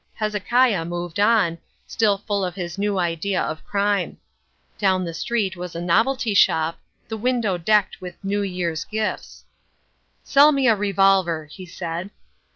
Hezekiah moved on, still full of his new idea of crime. Down the street was a novelty shop, the window decked with New Year's gifts. "Sell me a revolver," he said.